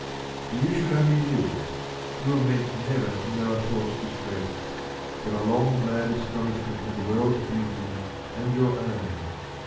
' But you should only live. You were meant Never to know a thought's distress, But a long glad astonishment At the world's beauty and your own.